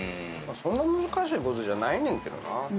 そんな難しいことじゃないねんけどな。